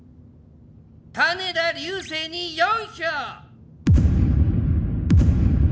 種田流星に４票！